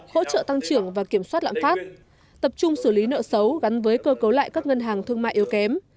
hỗ trợ tăng trưởng và kiểm soát lãm phát tập trung xử lý nợ xấu gắn với cơ cấu lại các ngân hàng thương mại yếu kém